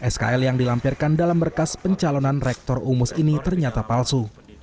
skl yang dilampirkan dalam berkas pencalonan rektor umus ini ternyata palsu